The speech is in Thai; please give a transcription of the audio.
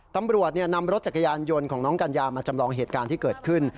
ตำรวจนำรถจักรยานยนต์ของน้องกัญญามาจำลองเหตุการณ์ที่เกิดขึ้น